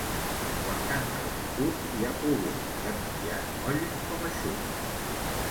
Quan canta el cucut i ha plogut, tan aviat moll com eixut.